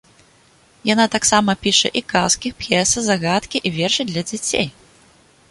Яна таксама піша і казкі, п'есы, загадкі і вершы для дзяцей.